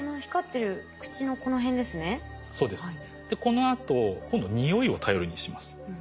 でこのあと今度匂いを頼りにします。